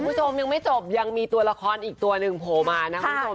คุณผู้ชมยังไม่จบยังมีตัวละครอีกตัวหนึ่งโผล่มานะคุณผู้ชม